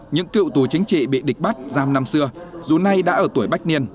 những cựu tù chính trị bị địch bắt giam năm xưa dù nay đã ở tuổi bách niên